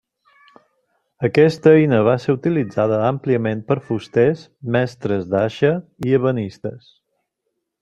Aquesta eina va ser utilitzada àmpliament per fusters, mestres d'aixa i ebenistes.